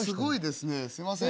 すいません。